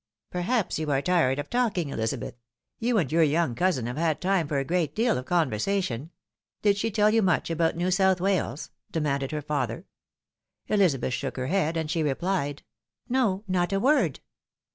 "Perhaps you are tired of talking, Elizabeth? You and your young cousin have had time for a great deal of conversa tion. Did she tell you much about New South Wales ?" demanded her father. Elizabeth shook her head as she replied, " No, not a word."